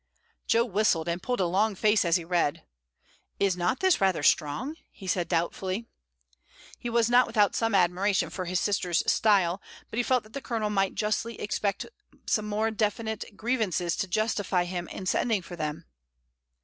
Jo whistled and pulled a long face as he read. "Is not this rather strong?" said he doubtfully. He was not without some admiration for his sister's style, but he felt that the Colonel might justly ex pect some more definite grievances to justify him in sending for them.